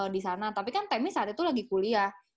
di sana tapi kan temi saat itu lagi kuliah